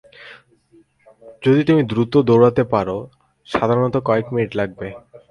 যদি তুমি দ্রুত দৌড়াতে পারো সাধারণত কয়েক মিনিট লাগবে।